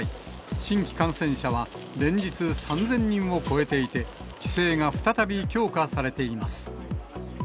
新規感染者は連日３０００人を超えていて、規制が再び強化されています。